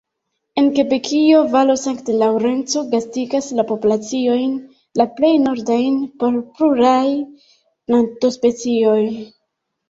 En Kebekio, valo Sankt-Laŭrenco gastigas la populaciojn la plej nordajn por pluraj plantospecioj.